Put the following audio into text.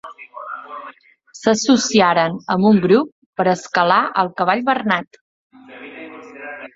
S'associaren amb un grup per escalar el Cavall Bernat.